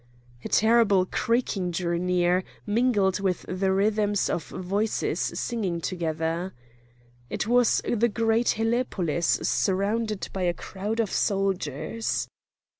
A terrible creaking drew near, mingled with the rhythm of hoarse voices singing together. It was the great helepolis surrounded by a crowd of soldiers.